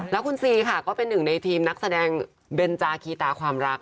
แล้วคุณซีค่ะก็เป็นหนึ่งในทีมนักแสดงเบนจาคีตาความรัก